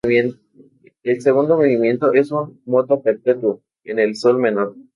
El segundo movimiento es un "moto perpetuo" en sol menor.